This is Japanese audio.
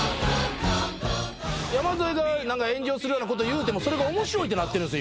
山添が何か炎上するようなこと言うてもそれが面白いってなってるんすよ